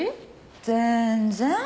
全然。